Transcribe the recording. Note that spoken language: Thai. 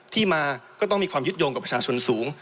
ที่มาก็ต้องมีความยึดโยงกับประชาชนสูง